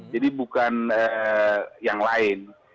jadi bukan yang lain